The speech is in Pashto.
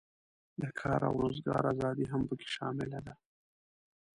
د کار او روزګار آزادي هم پکې شامله ده.